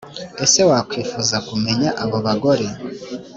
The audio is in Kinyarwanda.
Ese wakwifuza kumenya abo bagore